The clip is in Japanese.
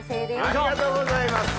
ありがとうございます！